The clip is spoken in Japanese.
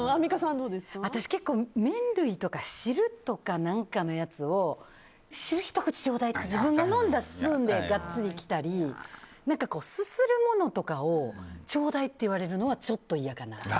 私、麺類とか汁のやつを汁ひと口ちょうだいって自分が飲んだスプーンでガッツリ来たりすするものとかをちょうだいって言われるのはちょっと嫌かな。